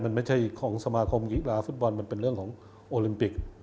มันไม่ใช่ของสมาคมกีฬาฟุตบอลมันเป็นเรื่องของโอลิมปิก